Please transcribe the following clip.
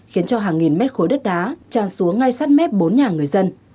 khiến cho hàng nghìn mét khối đất đá tràn xuống ngay sát mép bốn nhà người dân